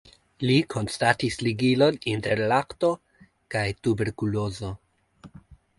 Li konstatis ligilon inter lakto kaj tuberkulozo.